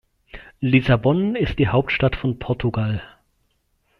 Lissabon ist die Hauptstadt von Portugal.